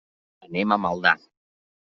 Anem a Maldà.